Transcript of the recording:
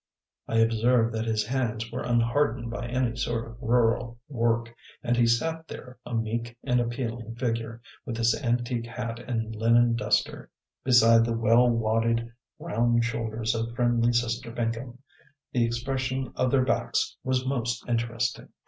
I observed that his hands were unhardened by any sort of rural work, and he sat there a meek and appealing figure, with his antique hat and linen duster, beside the well wadded round shoulders of friendly Sister Pinkham. The expression of their backs was most interesting.